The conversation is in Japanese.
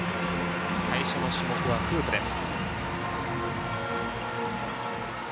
最初の種目はフープです。